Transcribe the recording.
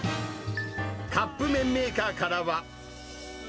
カップ麺メーカーからは。